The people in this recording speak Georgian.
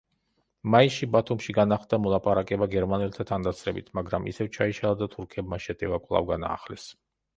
მაისში ბათუმში განახლდა მოლაპარაკება გერმანელთა თანდასწრებით, მაგრამ ისევ ჩაიშალა და თურქებმა შეტევა კვლავ განაახლეს.